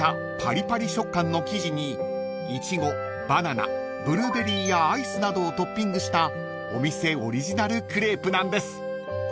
［イチゴバナナブルーベリーやアイスなどをトッピングしたお店オリジナルクレープなんです］